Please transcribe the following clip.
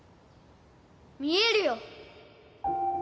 見えるよ